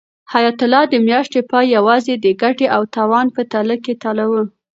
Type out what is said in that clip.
حیات الله د میاشتې پای یوازې د ګټې او تاوان په تله کې تلاوه.